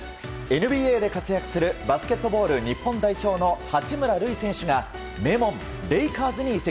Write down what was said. ＮＢＡで活躍するバスケットボール日本代表の八村塁選手が名門レイカーズに移籍。